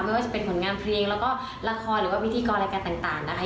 ไม่ว่าจะเป็นผลงานเพลงแล้วก็ละครหรือว่าพิธีกรรายการต่างนะคะ